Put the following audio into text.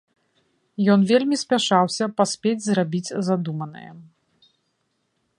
Ён вельмі спяшаўся паспець зрабіць задуманае.